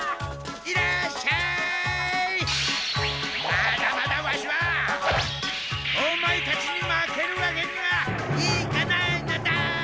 まだまだワシはオマエたちに負けるわけにはいかないのだ！